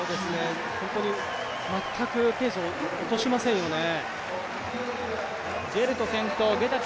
本当に全くペースを落としませんよね。